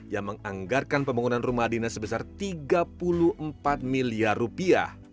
yang menganggarkan pembangunan rumah dinas sebesar tiga puluh empat miliar rupiah